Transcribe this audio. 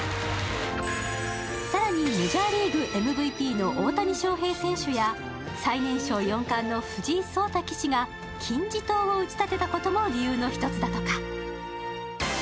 更にメジャーリーグＭＶＰの大谷翔平選手が最年少四冠の藤井聡太さんが金字塔を打ち立てたこともその理由だった。